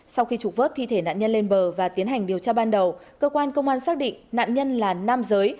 sau khi trục vớt thi thể nạn nhân lên bờ và tiến hành điều tra ban đầu cơ quan công an xác định nạn nhân là nam giới